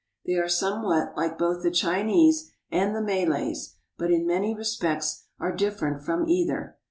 They are some what like both the Chinese and the Malays, but in many re spects are dif ferent from either.